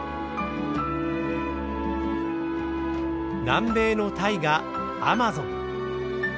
南米の大河アマゾン。